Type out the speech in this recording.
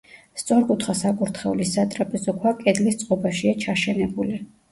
სწორკუთხა საკურთხევლის სატრაპეზო ქვა კედლის წყობაშია ჩაშენებული.